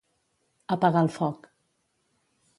Apagar el foc.